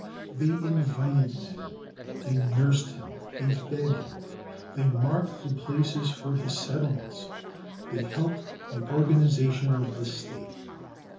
They invited man. They nursed him. They fed him. They marked the places for his settlements. They helped the organization of the state.